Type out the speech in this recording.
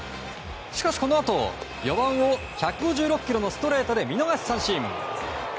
しかしこのあと、４番を１５６キロのストレートで見逃し三振。